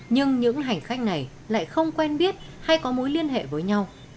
nhưng những hành khách này lại không quen biết hay có mối liên hệ với nhau